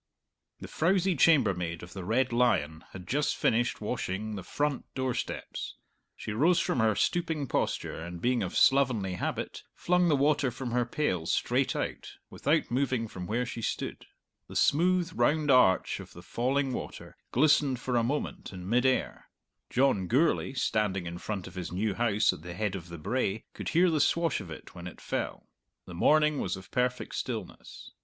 The frowsy chambermaid of the "Red Lion" had just finished washing the front door steps. She rose from her stooping posture and, being of slovenly habit, flung the water from her pail straight out, without moving from where she stood. The smooth round arch of the falling water glistened for a moment in mid air. John Gourlay, standing in front of his new house at the head of the brae, could hear the swash of it when it fell. The morning was of perfect stillness.